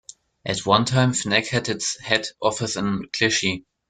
At one time Fnac had its head office in Clichy.